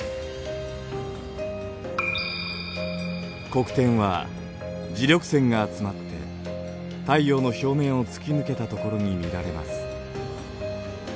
黒点は磁力線が集まって太陽の表面を突き抜けたところに見られます。